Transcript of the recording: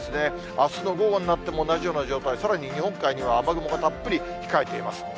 あすの午後になっても同じような状態、さらに日本海には雨雲がたっぷり控えています。